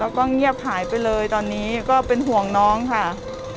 แล้วก็เงียบหายไปเลยตอนนี้ก็เป็นห่วงน้องค่ะ